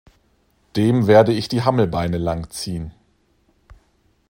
Dem werde ich die Hammelbeine lang ziehen!